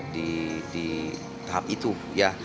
di tahap itu ya